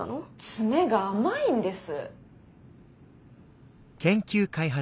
詰めが甘いんです。